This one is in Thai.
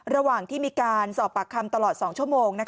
ระหว่างที่มีการสอบปากคำตลอด๒ชั่วโมง